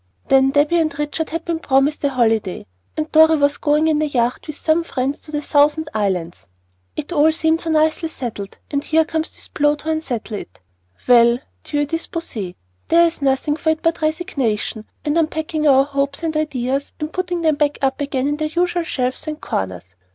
Then Debby and Richard had been promised a holiday, and Dorry was going in a yacht with some friends to the Thousand Islands. It all seemed so nicely settled, and here comes this blow to unsettle it. Well, Dieu dispose, there is nothing for it but resignation, and unpacking our hopes and ideas and putting them back again in their usual shelves and corners.